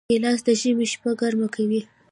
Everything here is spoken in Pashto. ګیلاس د ژمي شپه ګرمه کوي.